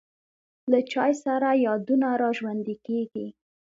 له چای سره یادونه را ژوندی کېږي.